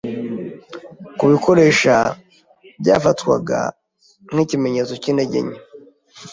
kubikoresha byafatwaga nk'ikimenyetso cy'intege nke.